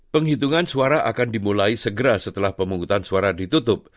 penghitungan suara akan dimulai segera setelah pemungutan suara ditutup